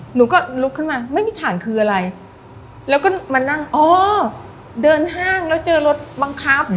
หนูก็ลุกขึ้นมาไม่มีฐานคืออะไรแล้วก็มานั่งอ๋อเดินห้างแล้วเจอรถบังคับ